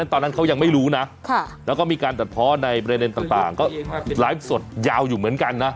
ตอนนั้นเขายังไม่รู้นะค่ะแล้วก็ค่อยอยู่เหมือนกันนะ